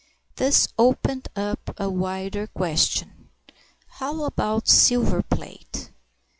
This opened up a wider question. How about silver plate?